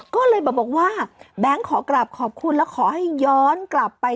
ก็เลยบอกว่าแบงค์ขอกลับขอบคุณแล้วขอให้ย้อนกลับไป